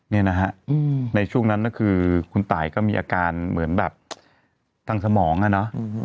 นี่นะฮะในช่วงนั้นก็คือคุณตายก็มีอาการเหมือนแบบทางสมองอ่ะเนอะ